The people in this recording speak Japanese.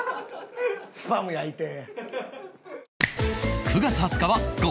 スパム焼いて。